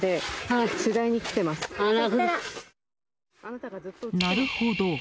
なるほど。